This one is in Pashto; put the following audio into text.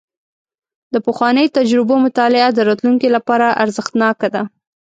د پخوانیو تجربو مطالعه د راتلونکي لپاره ارزښتناکه ده.